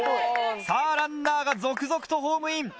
さぁランナーが続々とホームイン。